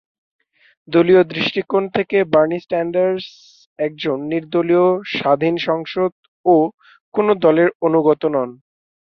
দলীয় দৃষ্টিকোণ থেকে বার্নি স্যান্ডার্স একজন নির্দলীয়, স্বাধীন সাংসদ ও কোনও দলের অনুগত নন।